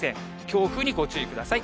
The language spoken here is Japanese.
強風にご注意ください。